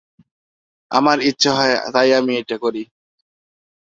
আমার ইচ্ছে হয় তাই আমি এটা করি।